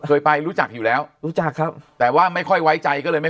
เคยไปรู้จักอยู่แล้วรู้จักครับแต่ว่าไม่ค่อยไว้ใจก็เลยไม่